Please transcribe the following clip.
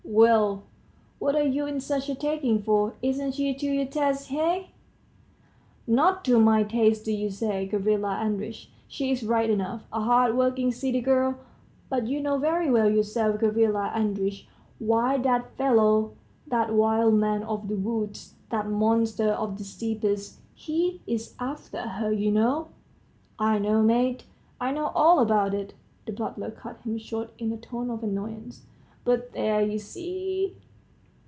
"Well, what are you in such a taking for? ... Isn't she to your taste, hey?" "Not to my taste, do you say, Gavrila Andreitch? She's right enough, a hard working steady girl. .. But you know very well yourself, Gavrila Andreitch, why that fellow, that wild man of the woods, that monster of the steppes, he's after her, you know. .." "I know, mate, I know all about it," the butler cut him short in a tone of annoyance: "but there, you see